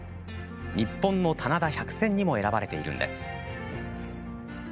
日本の棚田百選にも選ばれているんです。